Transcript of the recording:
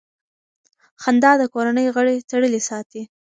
خندا د کورنۍ غړي تړلي ساتي.